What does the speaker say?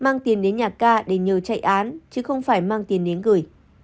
mang tiền đến nhà ca để nhờ chạy án chứ không phải mang tiền đến gửi